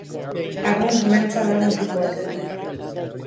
Arrunt mentsa da mutiko hori.